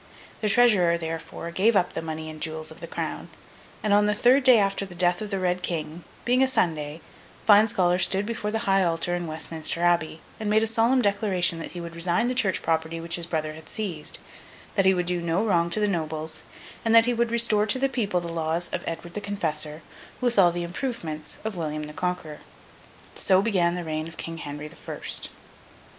The treasurer, therefore, gave up the money and jewels of the Crown: and on the third day after the death of the Red King, being a Sunday, Fine Scholar stood before the high altar in Westminster Abbey, and made a solemn declaration that he would resign the Church property which his brother had seized; that he would do no wrong to the nobles; and that he would restore to the people the laws of Edward the Confessor, with all the improvements of William the Conqueror. So began the reign of King Henry the First.